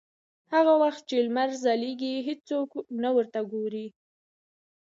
هغه وخت چې لمر ځلېږي هېڅوک نه ورته ګوري.